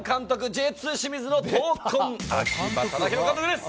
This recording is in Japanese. Ｊ２清水の闘魂秋葉監督です！